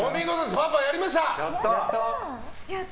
パパ、やりました！